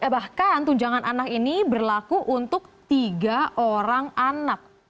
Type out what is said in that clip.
bahkan tunjangan anak ini berlaku untuk tiga orang anak